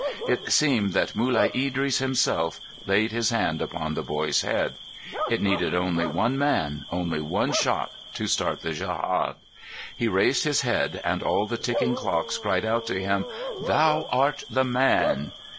It seemed that Mulai Idris himself laid his hand upon the boy's head. It needed only one man, only one shot to start the djehad. He raised his head and all the ticking clocks cried out to him: "Thou art the man."